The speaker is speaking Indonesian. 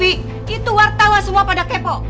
itu wartawan semua pada kepo